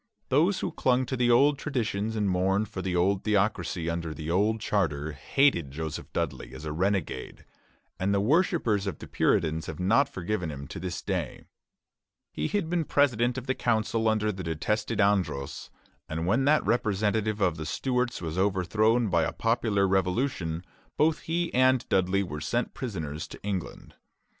Those who clung to the old traditions and mourned for the old theocracy under the old charter, hated Joseph Dudley as a renegade; and the worshippers of the Puritans have not forgiven him to this day. He had been president of the council under the detested Andros, and when that representative of the Stuarts was overthrown by a popular revolution, both he and Dudley were sent prisoners to England.